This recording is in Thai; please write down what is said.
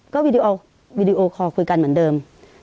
ก็วีดีโอคอลคุยกันเหมือนเดิม